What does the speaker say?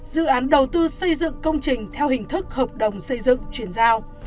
dự án đầu tư xây dựng công trình theo hình thức hợp đồng xây dựng chuyển giao